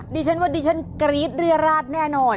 ดิฉนก็ดิฉันกรีดเรี่ยราชแน่นอน